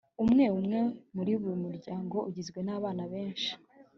umwe umwe muri buri muryango ugizezwe n’abana benshi.